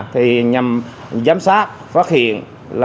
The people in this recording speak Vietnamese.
thì nhằm giám sát phát hiện